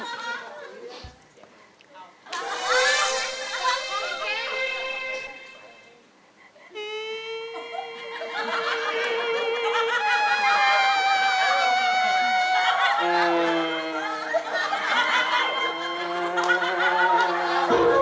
ตรอชารสร้าง